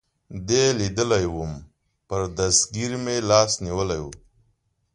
دې لیدلی ووم، پر دستګیر مې لاس نیولی و.